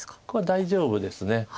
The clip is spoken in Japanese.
これは大丈夫です。